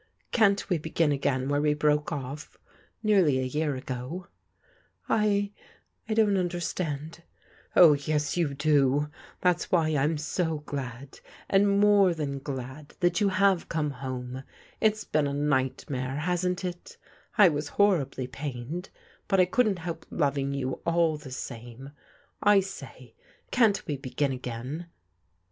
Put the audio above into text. Can't we begin again where we broke oflf, nearly a year ago?" " I— I don't understand." " Ob, yes, you do. Thai's yAi^ I'm ^^^ ^issAxoss^ 880 FBODIGAL DAUGHTEBS than glad» that you have come home. It's been a ni|^ mare, hasn't it? I was horribly pained, but I couldn't help loving you all the time. I say, can't we bq;in again